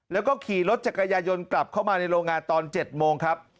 แล้วก็ขี่รถจักรยายนกลับเข้ามาในโรงงานตอน๗โมงครับ